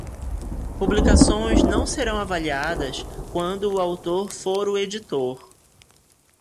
Publicações não serão avaliadas quando o autor for o editor.